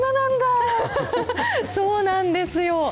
そうなんですよ。